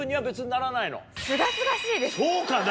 そうかな？